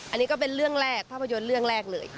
อันนี้ก็เป็นเรื่องแรกภาพยนตร์เรื่องแรกเลย